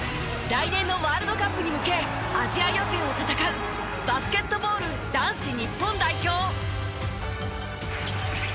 来年のワールドカップに向けアジア予選を戦うバスケットボール男子日本代表。